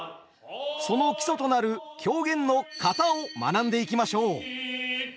その基礎となる狂言の「型」を学んでいきましょう。